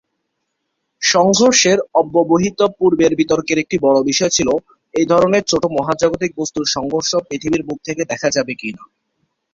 সংঘর্ষের অব্যবহিত পূর্বের বিতর্কের একটি বড়ো বিষয় ছিল এই ধরনের ছোটো মহাজাগতিক বস্তুর সংঘর্ষ পৃথিবীর বুক থেকে দেখা যাবে কিনা।